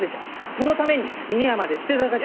そのために峰屋まで捨てたがじゃ！